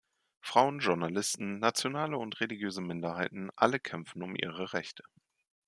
Frauen, Journalisten, nationale und religiöse Minderheiten alle kämpfen um ihre Rechte.